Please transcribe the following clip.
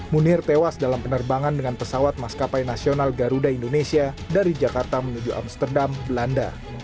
munir tewas dalam penerbangan dengan pesawat maskapai nasional garuda indonesia dari jakarta menuju amsterdam belanda